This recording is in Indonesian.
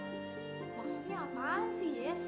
maksudnya apaan sih yes